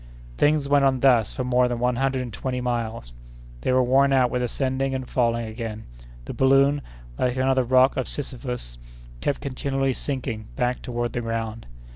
Things went on thus for more than one hundred and twenty miles; they were worn out with ascending and falling again; the balloon, like another rock of Sisyphus, kept continually sinking back toward the ground.